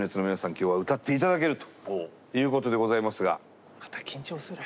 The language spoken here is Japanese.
今日は歌って頂けるということでございますが。